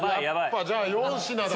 じゃあ４品だ。